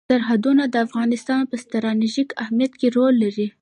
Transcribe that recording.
سرحدونه د افغانستان په ستراتیژیک اهمیت کې رول لري.